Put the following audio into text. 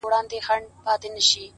بیا به راسي په سېلونو بلبلکي!.